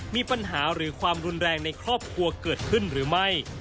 มีปัญหาหรือความรุนแรงในครอบครัวเกิดขึ้นหรือไม่